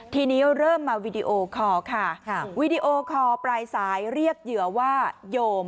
ทีนี้เริ่มมาวีดีโอคอร์ค่ะวีดีโอคอร์ปลายสายเรียกเหยื่อว่าโยม